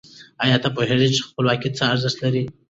آیا ته پوهېږي چې خپلواکي څه ارزښت لري؟